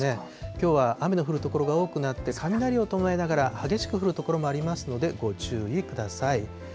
きょうは雨の降る所が多くなって、雷を伴いながら激しく降る所もありますので、ご注意ください。